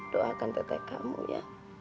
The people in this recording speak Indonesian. doakan teteh kamu ya